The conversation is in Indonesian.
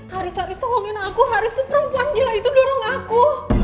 haris haris tolongin aku haris tuh perempuan gila itu dorong aku